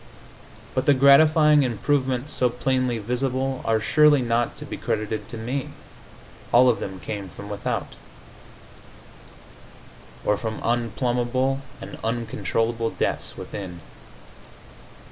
But the gratifying improvements so plainly visible are surely not to be credited to me. All of them came from without or from unplumbable and uncontrollable depths within.